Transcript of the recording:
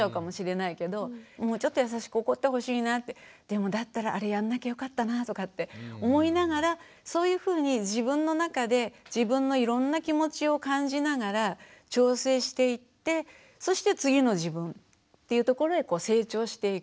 もうちょっと優しく怒ってほしいなってでもだったらあれやんなきゃよかったなとかって思いながらそういうふうに自分の中で自分のいろんな気持ちを感じながら調整していってそして次の自分っていうところへ成長していく。